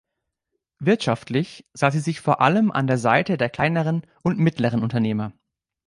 Wirtschaftlich sah sie sich vor allem an der Seite der kleineren und mittleren Unternehmer.